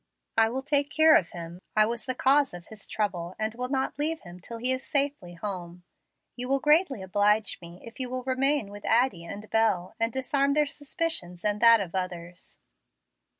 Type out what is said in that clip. "I will take care of him. I was the cause of his trouble, and will not leave him till he is safely home. You will greatly oblige me if you will remain with Addie and Bel, and disarm their suspicion and that of others.